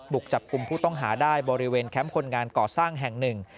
จับกลุ่มผู้ต้องหาได้บริเวณแคมป์คนงานก่อสร้างแห่งหนึ่ง